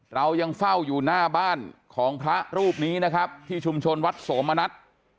เรายังเฝ้าอยู่หน้าบ้านของพระรูปนี้นะครับที่ชุมชนวัดโสมณัฐ